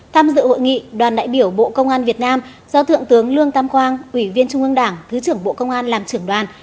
tham dự hội nghị đoàn đại biểu bộ công an việt nam do thượng tướng lương tam quang ủy viên trung ương đảng thứ trưởng bộ công an làm trưởng đoàn